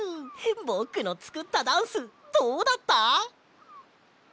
ぼくのつくったダンスどうだった？